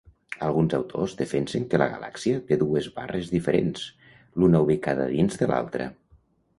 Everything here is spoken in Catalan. Alguns autors defensen que la galàxia té dues barres diferents, l'una ubicada dins de l'altra.